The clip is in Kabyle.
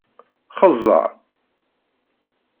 Xeẓẓeṛ!